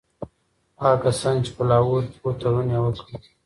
هغه کسان چي په لاهور کي وو تړون یې وکړ.